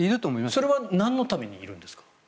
それはなんのためにいるんですか？